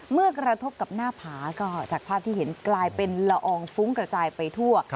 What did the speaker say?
เมื่อกระทบกับหน้าผาก็จากภาพที่เห็นกลายเป็นละอองฟุ้งกระจายไปทั่ว